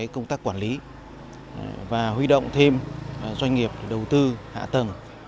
công tác quản lý và huy động thêm doanh nghiệp đầu tư hạ tầng